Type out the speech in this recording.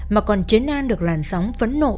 mà còn chế nan được làn sóng phấn nộ